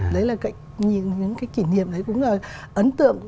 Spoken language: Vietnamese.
đấy là những cái kỷ niệm đấy cũng là ấn tượng